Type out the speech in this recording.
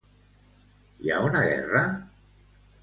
Hi ha una guerra?